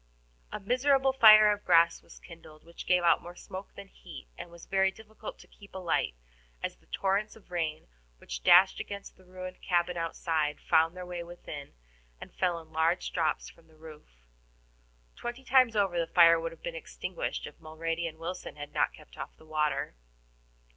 A miserable fire of grass was kindled, which gave out more smoke than heat, and was very difficult to keep alight, as the torrents of rain which dashed against the ruined cabin outside found their way within and fell down in large drops from the roof. Twenty times over the fire would have been extinguished if Mulrady and Wilson had not kept off the water.